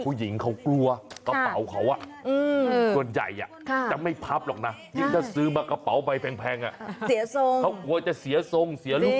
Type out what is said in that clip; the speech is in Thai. ผู้หญิงเขากลัวกระเป๋าเขาส่วนใหญ่จะไม่พับหรอกนะถ้าซื้อมากระเป๋าใบแพง